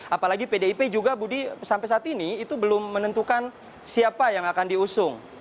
apalagi pdip juga budi sampai saat ini itu belum menentukan siapa yang akan diusung